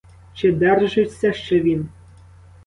Чи держиться ще він?